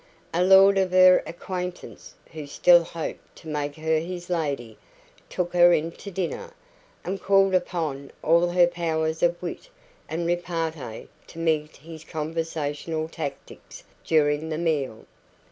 A lord of her acquaintance, who still hoped to make her his lady, took her into dinner, and called upon all her powers of wit and repartee to meet his conversational tactics during the meal.